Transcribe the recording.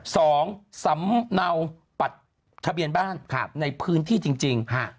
สองสำเนาปัดทะเบียนบ้านในพื้นที่จริง